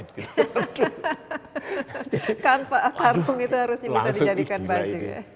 kanvas sarung itu harus diminta dijadikan baju ya